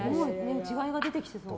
違いが出てきそう。